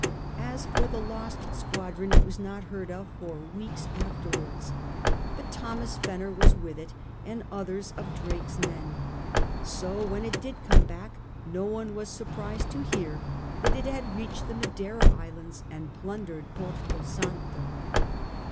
As for the lost squadron it was not heard of for weeks afterwards. But Thomas Fenner was with it and others of Drake's men. So when it did come back no one was surprised to hear that it had reached the Madeira Islands and plundered Porto Santo.